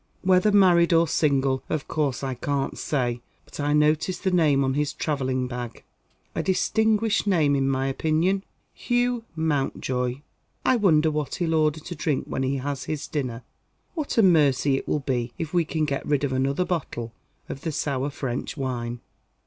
Whether married or single, of course I can't say. But I noticed the name on his travelling bag. A distinguished name in my opinion Hugh Mountjoy. I wonder what he'll order to drink when he has his dinner? What a mercy it will be if we can get rid of another bottle of the sour French wine!"